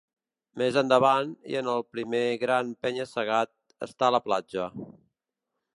Més endavant, i en el primer gran penya-segat, està la platja.